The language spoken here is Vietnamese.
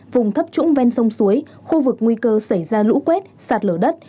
vùng thấp trũng ven sông suối khu vực nguy cơ xảy ra lũ quét sạt lở đất